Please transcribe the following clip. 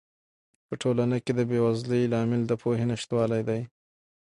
په ټولنه کې د بې وزلۍ لامل د پوهې نشتوالی دی.